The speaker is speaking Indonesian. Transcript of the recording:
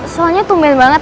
soalnya tumen banget